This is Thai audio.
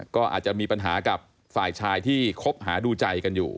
ก็อาจจะมีปัญหากับฝ่ายชายที่คบหาดูใจกันอยู่